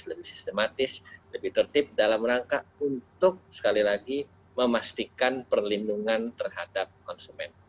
lebih sistematis lebih tertib dalam rangka untuk sekali lagi memastikan perlindungan terhadap konsumen